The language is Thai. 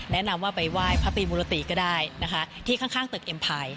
แนะนำว่าไปไหว้พระปีมุรติก็ได้นะคะที่ข้างตึกเอ็มภัย